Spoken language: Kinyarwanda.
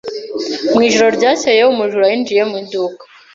Mu ijoro ryakeye, umujura yinjiye mu iduka.